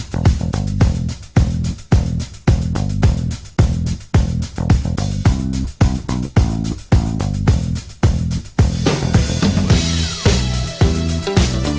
ประมาณบ่ายสี่โมงเย็นค่ะวันนี้ต้องขอบคุณสิบมากมากเลยครับครับขอบคุณค่ะ